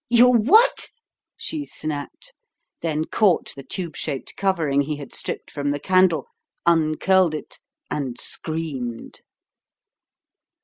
"You what?" she snapped; then caught the tube shaped covering he had stripped from the candle, uncurled it, and screamed.